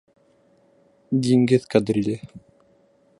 ДИҢГЕҘ КАДРИЛЕ